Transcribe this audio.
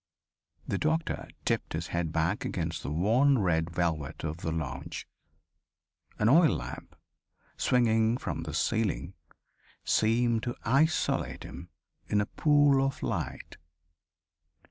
The doctor tipped his head back against the worn red velvet of the lounge. An oil lamp, swinging from the ceiling, seemed to isolate him in a pool of light.